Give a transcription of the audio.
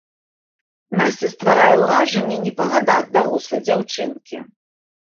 Насця стварае ўражанне не па гадах дарослай дзяўчынкі.